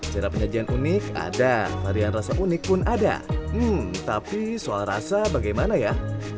cara penyajian unik ada varian rasa unik pun ada hmm tapi soal rasa bagaimana ya